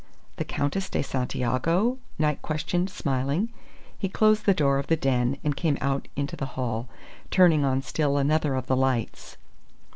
"The Countess de Santiago?" Knight questioned, smiling. He closed the door of the den, and came out into the hall, turning on still another of the lights.